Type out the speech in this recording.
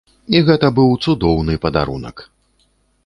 І гэта быў цудоўны падарунак.